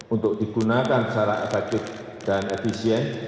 untuk digunakan secara efektif dan efisien